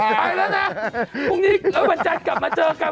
ไปแล้วนะพรุ่งนี้กลับมาเจอกัน